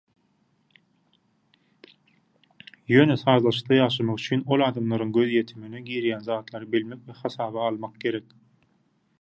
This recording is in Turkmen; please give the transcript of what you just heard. Ýöne sazlaşykda ýaşamak üçin ol adamlaryň gözýetimine girýän zatlary bilmek we hasaba almak gerek.